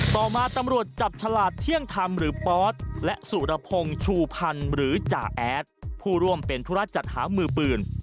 ต่อมาตำรวจจับฉลาดเที่ยงธรรมหรือปอสและสุรพงศ์ชูพันธ์หรือจ่าแอดผู้ร่วมเป็นธุระจัดหามือปืน